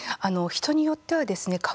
人によってはですね